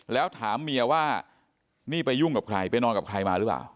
แล้วถามเมียว่านี่ไปยุ่งกับใครไปนอนกับใครมาหรือเปล่า